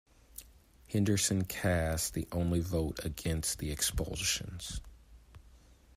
Henderson cast the only vote against the expulsions.